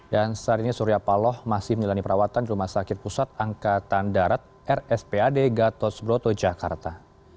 dan saat ini surya paloh masih menilai perawatan di rumah sakit pusat angkatan darat rspad gatot broto jakarta